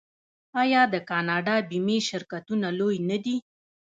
آیا د کاناډا بیمې شرکتونه لوی نه دي؟